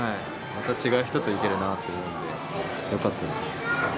また違う人と行けるなと思うんで、よかったです。